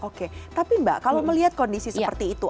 oke tapi mbak kalau melihat kondisi seperti itu